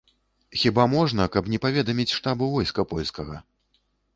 Хіба можна, каб не паведаміць штабу войска польскага!